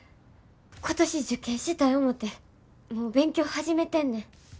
今年受験したい思てもう勉強始めてんねん。